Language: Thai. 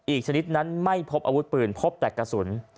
ชนิดนั้นไม่พบอาวุธปืนพบแต่กระสุน